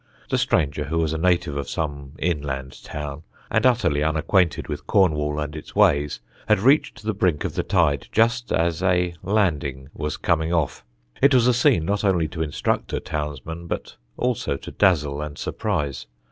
The stranger, who was a native of some inland town, and utterly unacquainted with Cornwall and its ways, had reached the brink of the tide just as a "landing" was coming off. It was a scene not only to instruct a townsman, but also to dazzle and surprise.